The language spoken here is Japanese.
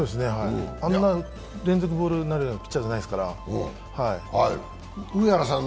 あんな連続ボールになるようなピッチャーじゃないですから。